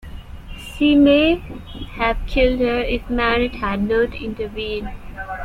She may have killed her if Marat had not intervened.